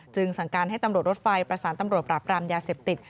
สั่งการให้ตำรวจรถไฟประสานตำรวจปราบรามยาเสพติด